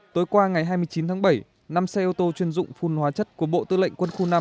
tối qua ngày hai mươi chín tháng bảy năm xe ô tô chuyên dụng phun hóa chất của bộ tư lệnh quân khu năm